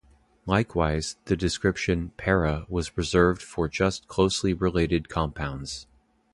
Likewise, the description "para" was reserved for just closely related compounds.